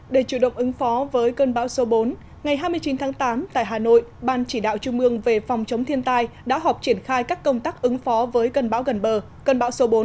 để chủ động ứng phó với cơn bão số bốn ngày hai mươi chín tháng tám tại hà nội ban chỉ đạo trung ương về phòng chống thiên tai đã họp triển khai các công tác ứng phó với cơn bão gần bờ cơn bão số bốn